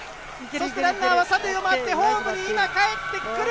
そしてランナーは３塁を回って今ホームにかえってくる。